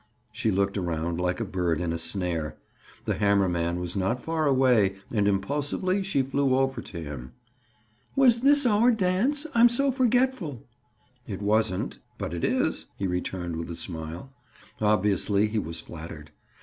She looked around like a bird in a snare; the hammer man was not far away and impulsively she flew over to him. "Was this our dance? I'm so forgetful!" "It wasn't, but it is," he returned with a smile. Obviously he was flattered.